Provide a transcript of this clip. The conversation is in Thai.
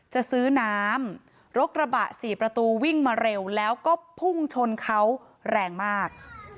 จะซื้อน้ำรถกระบะ๔ประตูวิ่งมาเร็วแล้วก็พุ่งชนเขาแรงมาก